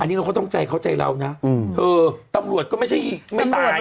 อันนี้เราก็ต้องใจเข้าใจเรานะเออตำรวจก็ไม่ใช่ไม่ตาย